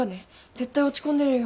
絶対落ち込んでるよ。